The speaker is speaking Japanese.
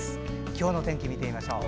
今日の天気見てみましょう。